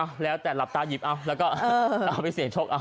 อ้าวแล้วแต่หลับตาหยิบเอ้าข้าววิเศษชกเอ้า